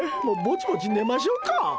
もうぼちぼち寝ましょうか！